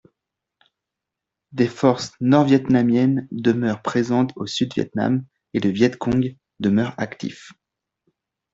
Des forces nord-vietnamiennes demeurent présentes au Sud-Vietnam, et le Vietcong demeure actif.